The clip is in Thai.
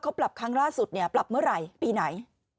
เขาปรับครั้งล่าสุดเนี่ยปรับเมื่อไหร่ปีไหน